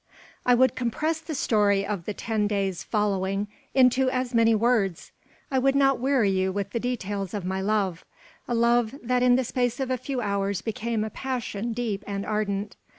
I would compress the history of the ten days following into as many words. I would not weary you with the details of my love a love that in the space of a few hours became a passion deep and ardent.